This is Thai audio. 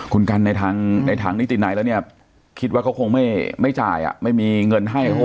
คุณกันในทางนิติไหนแล้วเนี่ยคิดว่าเขาคงไม่จ่ายไม่มีเงินให้เขา